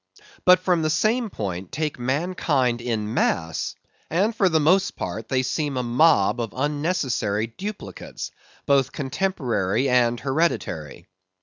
But from the same point, take mankind in mass, and for the most part, they seem a mob of unnecessary duplicates, both contemporary and hereditary.